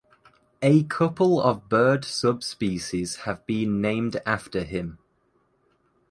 A couple of bird subspecies have been named after him.